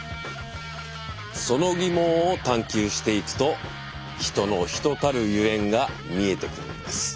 その疑問を探究していくとヒトのヒトたるゆえんが見えてくるんです。